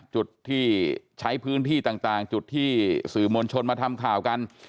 จุดที่ใช้พื้นที่ต่างจุดที่สื่อมวลชนมาทำข่าวกัน